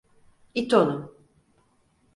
İt onu!